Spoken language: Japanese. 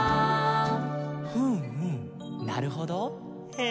「ふむふむなるほどへえー」